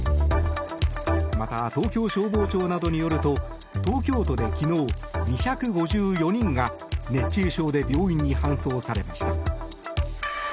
また、東京消防庁などによると東京都で昨日２５４人が熱中症で病院に搬送されました。